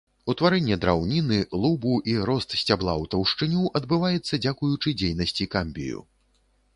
Утварэнне драўніны, лубу і рост сцябла ў таўшчыню адбываецца дзякуючы дзейнасці камбію.